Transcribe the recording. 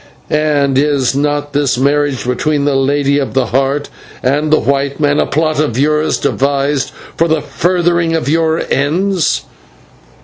and is not this marriage between the Lady of the Heart and the white man a plot of yours devised for the furthering of your ends?"